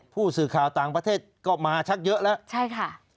ผู้สื่อข่าวต่างประเทศก็มาชักเยอะแล้วใช่ค่ะ